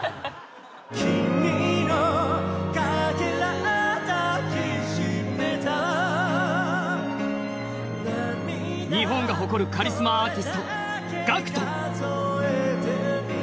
キミの欠片抱きしめた日本が誇るカリスマアーティストＧＡＣＫＴ